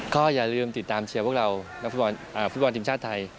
ก็อย่าลืมติดตามเชียร์พวกเรานักฟุตบอลทีมชาติไทย